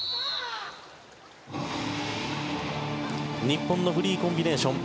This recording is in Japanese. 日本のフリーコンビネーション